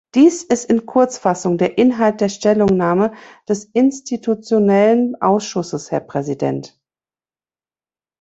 Dies ist in Kurzfassung der Inhalt der Stellungnahme des Institutionellen Ausschusses, Herr Präsident.